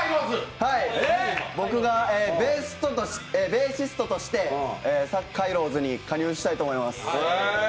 僕がベーシストとしてサカイロウズに加入したいと思います。